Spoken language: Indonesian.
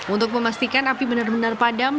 untuk memastikan api benar benar padam